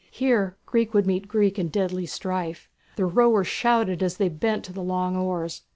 Here Greek would meet Greek in deadly strife. The rowers shouted as they bent to the long oars.